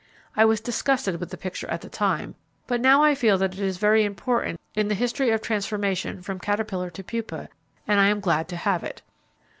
I was disgusted with the picture at the time, but now I feel that it is very important in the history of transformation from caterpillar to pupa, and I am glad to have it.